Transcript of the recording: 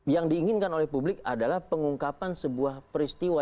yang diinginkan oleh publik adalah pengungkapan sebuah peristiwa